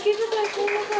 すいません